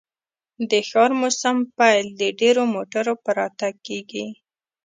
د ښکار موسم پیل د ډیرو موټرو په راتګ کیږي